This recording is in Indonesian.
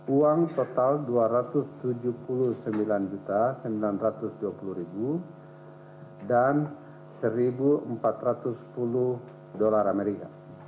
uang total rp dua ratus tujuh puluh sembilan sembilan ratus dua puluh dan rp satu empat ratus sepuluh